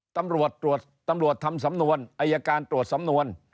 ตำรวจทำสำนวนอัยการตรวจสำนวน